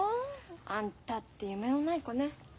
あんたって夢のない子ね。